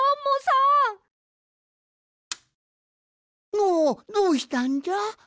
おおどうしたんじゃ？